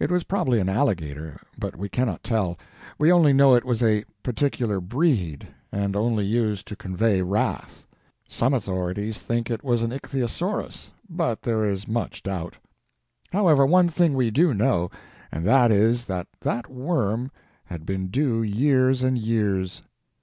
It was probably an alligator, but we cannot tell; we only know it was a particular breed, and only used to convey wrath. Some authorities think it was an ichthyosaurus, but there is much doubt. However, one thing we do know; and that is that that worm had been due years and years.